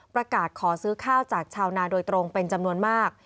ประกาศขอซื้อข้าวจากชาวนาโดยตรงเป็นจำนวนมาก